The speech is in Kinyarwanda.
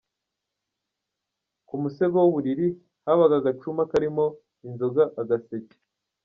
Ku musego w’uburiri, habaga agacuma karimo inzoga, agaseke.